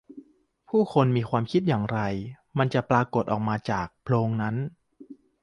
ผู้คนมีความคิดอย่างไร มันจะปรากฎออกมาจากโพรงนั้น